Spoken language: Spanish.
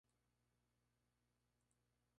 Vladimir Compás anota el tercero de Ciclón.